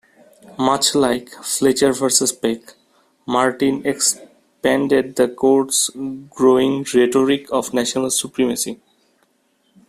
Much like "Fletcher versus Peck", Martin expanded the Court's growing rhetoric of national supremacy.